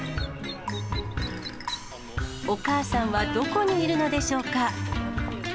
お母さんはどこにいるのでしょうか。